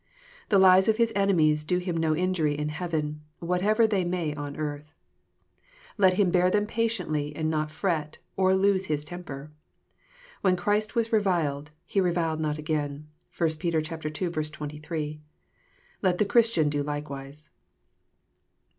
The lies of his enemies do him no injury in heaven, whatever they may on earth. Let him bear them patiently, and not fret, or lose his temper* When Christ was reviled, " He reviled not again." (1 Peter ii. 23.) Let the Christian do likewise.